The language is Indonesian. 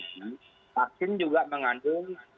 vaksin juga menyebabkan penyakit itu